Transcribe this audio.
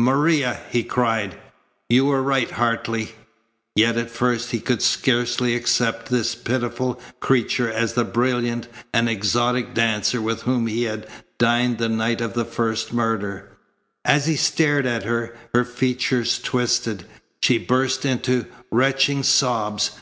"Maria!" he cried. "You were right, Hartley!" Yet at first he could scarcely accept this pitiful creature as the brilliant and exotic dancer with whom he had dined the night of the first murder. As he stared at her, her features twisted. She burst into retching sobs.